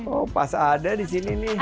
oh pas ada di sini nih